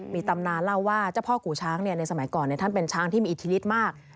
มีตำนานเล่าว่าเจ้าพ่อกู่ช้างในสมัยก่อนท่านเป็นช้างที่มีอิทธิฤทธิ์มาก